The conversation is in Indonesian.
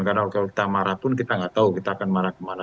karena kalau kita marah pun kita tidak tahu kita akan marah kemana